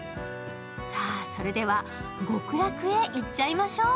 さあ、それでは極楽へ行っちゃいましょう。